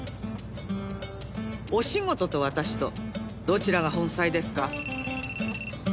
お仕事と私とどちらが本妻ですか？